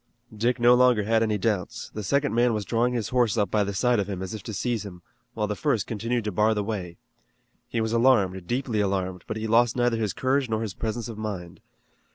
Dick no longer had any doubts. The second man was drawing his horse up by the side of him, as if to seize him, while the first continued to bar the way. He was alarmed, deeply alarmed, but he lost neither his courage nor his presence of mind.